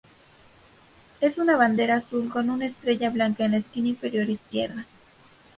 Es una bandera azul con una estrella blanca en la esquina inferior izquierda.